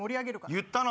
言ったな？